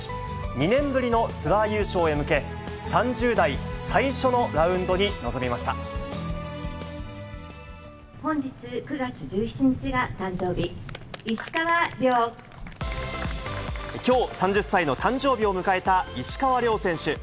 ２年ぶりのツアー優勝へ向け、３０代最初のラウンドに臨みまし本日９月１７日が誕生日、きょう、３０歳の誕生日を迎えた石川遼選手。